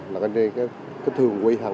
là cô cho quà